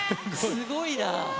すごいな。